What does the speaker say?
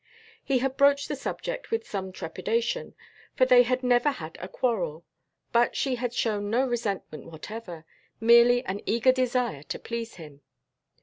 He had broached the subject with some trepidation, for they had never had a quarrel; but she had shown no resentment whatever, merely an eager desire to please him.